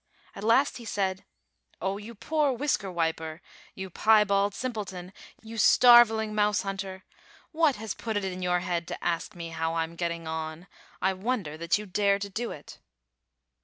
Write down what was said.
At last he said : "O you poor whisker wiper ! You piebald sim pleton! You starveling mouse hunter! What has put it in your head to ask me how I am 212 Fairy Tale Foxes getting on? I wonder that you dare to do it."